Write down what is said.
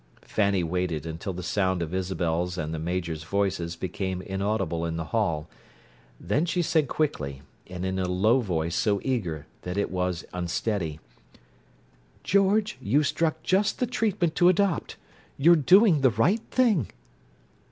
Fanny waited until the sound of Isabel's and the Major's voices became inaudible in the hall. Then she said quickly, and in a low voice so eager that it was unsteady: "George, you've struck just the treatment to adopt: you're doing the right thing!"